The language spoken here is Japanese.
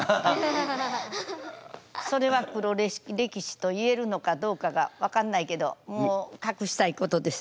それは黒歴史と言えるのかどうかが分かんないけどもう隠したいことですね。